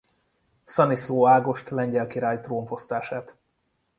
Szaniszló Ágost lengyel király trónfosztását.